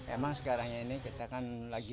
emang sekarang ini kita kan lagi